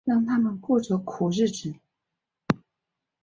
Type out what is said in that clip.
让他们过着苦日子